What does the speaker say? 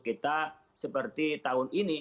kita seperti tahun ini